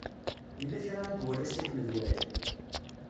Yella kra i iwala Si Ḥmed Waɛli.